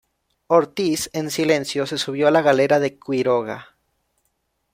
Ortiz, en silencio, se subió a la galera de Quiroga.